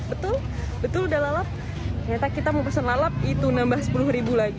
betul betul udah lalap ternyata kita mau pesen lalap itu nambah sepuluh ribu lagi